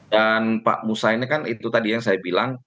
dan pak musa ini kan itu tadi yang saya bilang